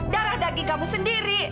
darah daging kamu sendiri